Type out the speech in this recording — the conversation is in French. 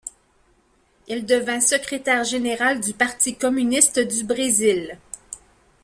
Il devint secrétaire général du Parti communiste du Brésil.